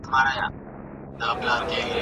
که ته هڅه وکړې نو ښه څېړونکی به سې.